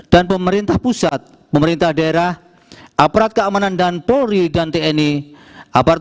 dan pemerintah pusat pemerintah daerah aparat keamanan dan polri dan tni aparat